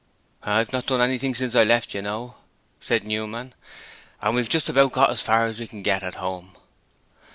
'I've not done anything since I left, you know,' said Newman, 'and we've just about got as far as we can get, at home.'